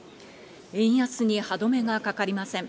円安に歯止めがかかりません。